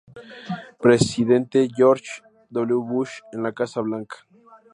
Presidente George W. Bush en la Casa Blanca.